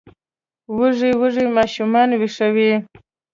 وږي وږي ماشومان ویښوي